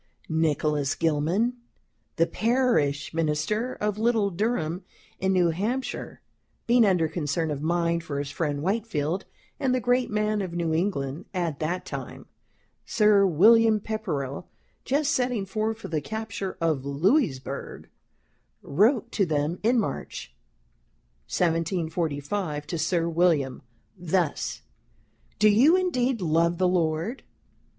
Nicholas Gilman, the parish minister of little Durham, in New Hampshire, being under concern of mind for his friend Whitefield, and the great man of New England, at that time, Sir William Pepperell, just setting forth for the capture of Louisburg wrote to them in March, 1745, to Sir William thus: "Do you indeed love the Lord?